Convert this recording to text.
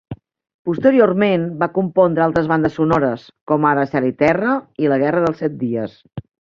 Posteriorment va compondre altres bandes sonores com ara "Cel i Terra" i "La Guerra dels Set Dies".